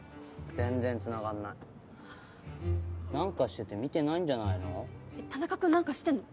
全然つながんない何かしてて見てないんじゃないの田中君何か知ってるの？